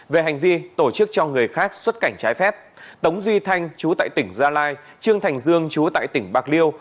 về hành vi tổ chức cho người khác xuất cảnh trái phép tống duy thanh chú tại tỉnh gia lai trương thành dương chú tại tỉnh bạc liêu